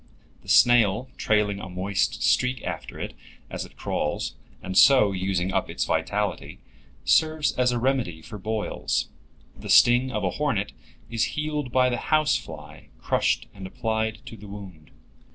The snail trailing a moist streak after it as it crawls, and so using up its vitality, serves as a remedy for boils. The sting of a hornet is healed by the house fly crushed and applied to the wound.